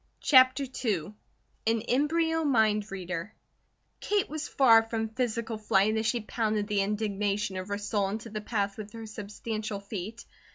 CHAPTER II AN EMBRYO MIND READER KATE was far from physical flight as she pounded the indignation of her soul into the path with her substantial feet.